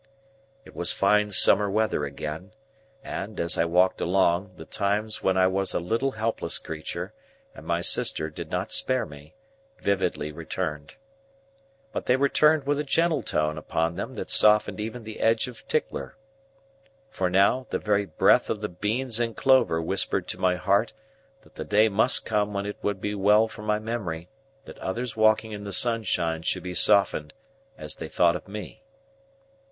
It was fine summer weather again, and, as I walked along, the times when I was a little helpless creature, and my sister did not spare me, vividly returned. But they returned with a gentle tone upon them that softened even the edge of Tickler. For now, the very breath of the beans and clover whispered to my heart that the day must come when it would be well for my memory that others walking in the sunshine should be softened as they thought of me.